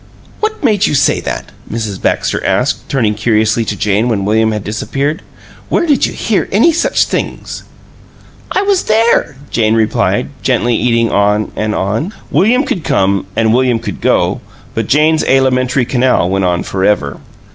"What made you say that?" Mrs. Baxter asked, turning curiously to Jane when William had disappeared. "Where did you hear any such things?" "I was there," Jane replied, gently eating on and on. William could come and William could go, but Jane's alimentary canal went on forever.